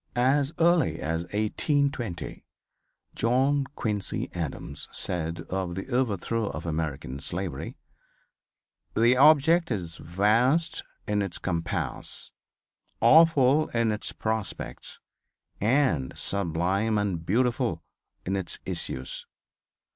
As early as 1820 John Quincy Adams said of the overthrow of American slavery, "The object is vast in its compass, awful in its prospects and sublime and beautiful in its issues.